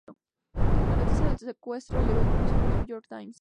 La noticia del secuestro llegó incluso al "New York Times".